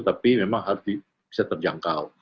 tapi memang bisa terjangkau